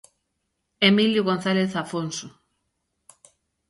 Emilio González Afonso.